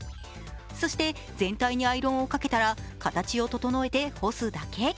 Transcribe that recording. そして全体にアイロンをかけたら形を整えて干すだけ。